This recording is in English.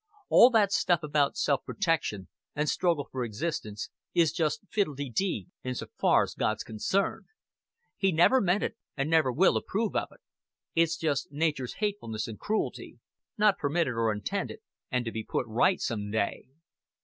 All that stuff about self protection, an' struggle for existence, is just fiddle de dee in so far's God's concerned. He never meant it, an' never will approve of it. It's just nature's hatefulness and cruelty not permitted or intended, an' to be put right some day."